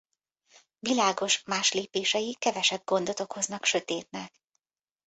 Világos más lépései kevesebb gondot okoznak sötétnek.